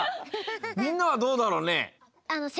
みんなはどうだろうね？